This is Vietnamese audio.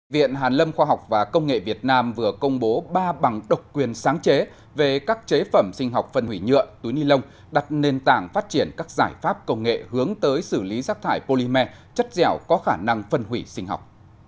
viện hàn lâm khoa học và công nghệ việt nam vừa công bố ba bằng độc quyền sáng chế về các chế phẩm sinh học phân hủy nhựa túi ni lông đặt nền tảng phát triển các giải pháp công nghệ hướng tới xử lý rác thải polymer chất dẻo có khả năng phân hủy sinh học